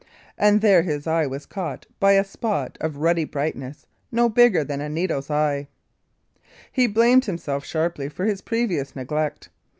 And there his eye was caught by a spot of ruddy brightness no bigger than a needle's eye. He blamed himself sharply for his previous neglect.